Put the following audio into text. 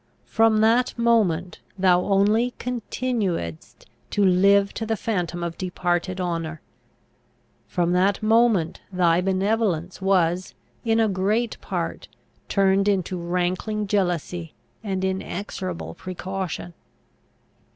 From that moment thou only continuedst to live to the phantom of departed honour. From that moment thy benevolence was, in a great part, turned into rankling jealousy and inexorable precaution.